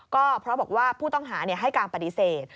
ก็เพราะบอกว่าผู้ต้องหาให้การปฏิเสธ